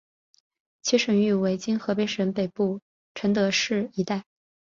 其省域为今河北省北部承德市一带。